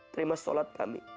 terima sholat kami